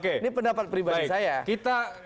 ini pendapat pribadi saya